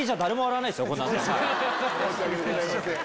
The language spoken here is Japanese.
申し訳ございません。